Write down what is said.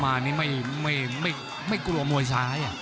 โมยเข้ามาไม่กลัวโมยซ้าย